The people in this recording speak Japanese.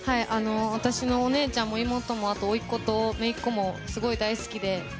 私のお姉ちゃんも、妹も後、おいっ子とめいっ子もすごい大好きで。